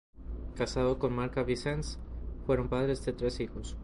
Casado con Marga Vicens, fueron padres de tres hijos.